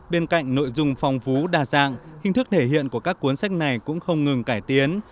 bên cạnh nội dung phong phú đa dạng hình thức thể hiện của các cuốn sách này cũng không ngừng cải tiến